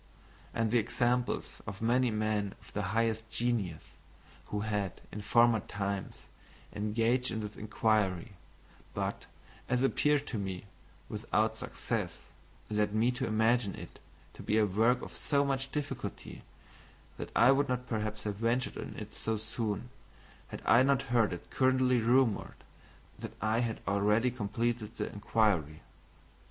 And the examples of many men of the highest genius, who had, in former times, engaged in this inquiry, but, as appeared to me, without success, led me to imagine it to be a work of so much difficulty, that I would not perhaps have ventured on it so soon had I not heard it currently rumored that I had already completed the inquiry.